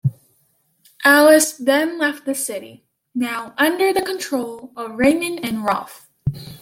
Alice then left the city, now under the control of Raymond and Ralph.